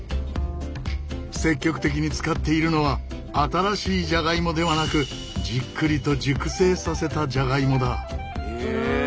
積極的に使っているのは新しいじゃがいもではなくじっくりと熟成させたじゃがいもだ。